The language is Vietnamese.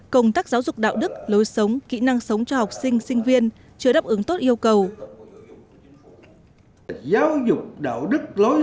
công tác giáo dục đạo đức lối sống kỹ năng sống cho học sinh sinh viên chưa đáp ứng tốt yêu cầu